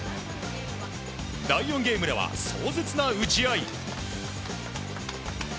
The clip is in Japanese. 第４ゲームでは、壮絶な打ち合い。